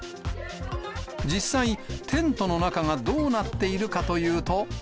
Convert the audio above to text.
実際、テントの中がどうなっているかというと。